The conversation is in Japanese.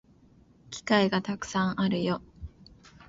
機会がたくさんあるよ